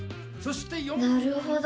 なるほど！